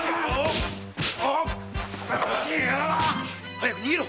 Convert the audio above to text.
早く逃げろ！